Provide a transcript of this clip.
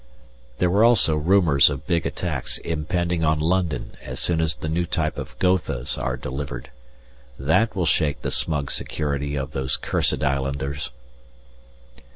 There were also rumours of big attacks impending on London as soon as the new type of Gothas are delivered. That will shake the smug security of those cursed islanders.